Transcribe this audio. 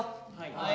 はい！